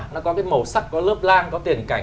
nó có cái màu sắc có lớp lang có tiền cảnh